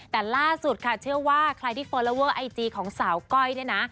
แต่ล่าสุดค่ะเชื่อว่าใครที่โฟลอเวอร์ไอจีของสาวก้อยเนี่ยนะ